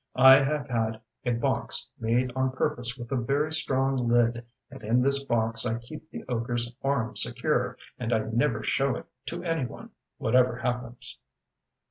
I have had a box made on purpose with a very strong lid, and in this box I keep the ogreŌĆÖs arm secure; and I never show it to any one, whatever happens.